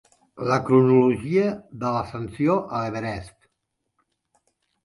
La cronologia de l'ascensió a l'Everest.